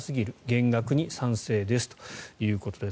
減額に賛成ですということです。